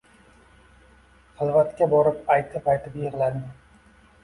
Xilvatga borib aytib-aytib yig`ladim